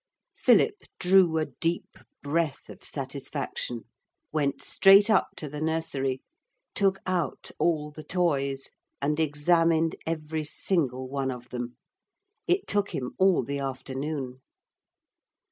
Philip drew a deep breath of satisfaction, went straight up to the nursery, took out all the toys, and examined every single one of them. It took him all the afternoon.